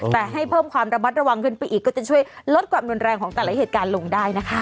แต่ให้เพิ่มความระมัดระวังขึ้นไปอีกก็จะช่วยลดความรุนแรงของแต่ละเหตุการณ์ลงได้นะคะ